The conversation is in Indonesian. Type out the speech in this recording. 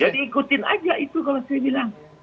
jadi ikutin aja itu kalau saya bilang